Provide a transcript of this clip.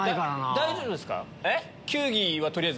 大丈夫ですか？